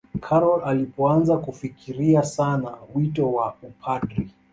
karol alipoanza kufikiria sana wito wa upadri